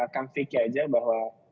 kang vicky aja bahwa